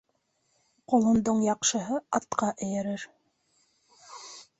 Ҡолондоң яҡшыһы атҡа эйәрер